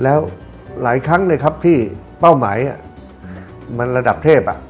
แล้วหลายครั้งเลยครับที่เป้าหมายมันระดับเทพ